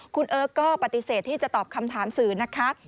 คุณเอิร์กก็ปฏิเสธที่จะตอบคำถามสื่อนะคะ